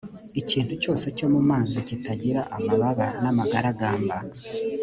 ikintu cyose cyo mu mazi kitagira amababa n amagaragamba